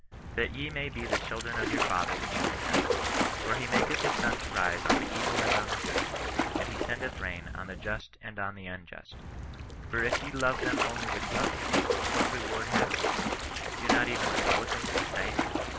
" That ye may be the children of your Father which is in heaven ; for he maketh his sun to rise on the evil and on the good, and fiondeth rain on the just and on the unjust. For if ye love them (only) which love you, what reward have you ? Do not even the publicans the same